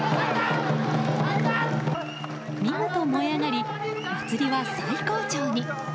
見事、燃え上がり祭りは最高潮に。